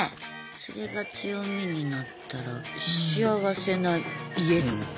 それが強みになったら幸せな家になるよね。